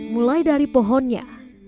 mulai dari pohonnya